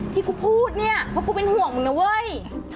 ที่กูพูดเนี่ยเพราะกูเป็นห่วงมึงนะเว้ย